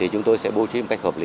chúng tôi sẽ bố trí một cách hợp lý